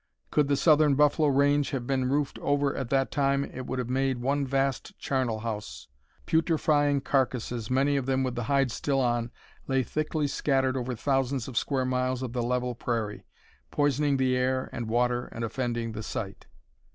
Could the southern buffalo range have been roofed over at that time it would have made one vast charnel house. Putrifying carcasses, many of them with the hide still on, lay thickly scattered over thousands of square miles of the level prairie, poisoning the air and water and offending the sight.